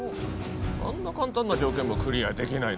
あんな簡単な条件もクリアできないのか？